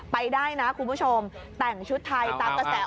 ไปได้นะคุณผู้ชมแต่งชุดไทยตามกระแส